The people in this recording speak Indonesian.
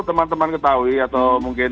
teman teman ketahui atau mungkin